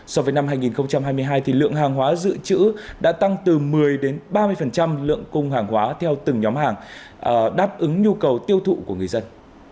so với năm hai nghìn hai mươi hai lượng hàng hóa dự trữ đã tăng từ một mươi ba mươi lượng cung hàng hóa theo từng nhóm hàng đáp ứng nhu cầu tiêu thụ của người dân